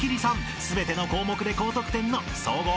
全ての項目で高得点の］